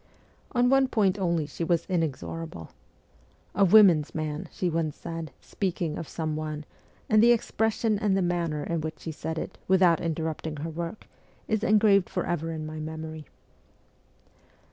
On one point only she was inexorable. ' A women's man,' she once said, speaking of some one, and the expression and the manner in which she said it, without interrupt ing her work, is engraved for ever in my memory.